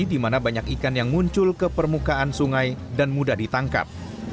di mana banyak ikan yang muncul ke permukaan sungai dan mudah ditangkap